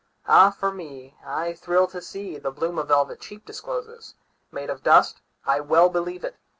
Ah, for me, I thrill to seeThe bloom a velvet cheek discloses, Made of dust—I well believe it!